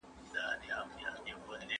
سپین سرې د لښتې په بدبختۍ باندې خفه نه وه.